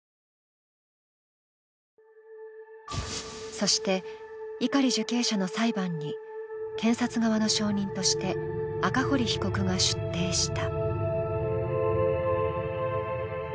そして、碇受刑者の裁判に検察側の証人として赤堀被告が出廷した。